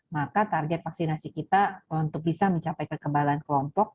maka target vaksinasi kita untuk bisa mencapai kekebalan kelompok